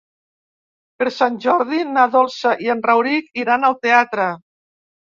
Per Sant Jordi na Dolça i en Rauric iran al teatre.